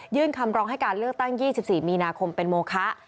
คำร้องให้การเลือกตั้ง๒๔มีนาคมเป็นโมคะ